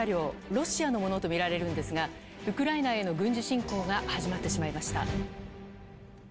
ロシアのものと見られるんですが、ウクライナへの軍事侵攻が始まってしまいました。